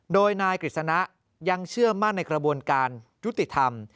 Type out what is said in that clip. โดยนายกฤษณะยังเชื่อมั่นในกระบวนการยุติธรรม